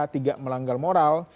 tidak melanggar moral